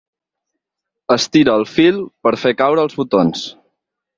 Estira el fil per fer caure els botons.